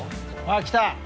あっ来た。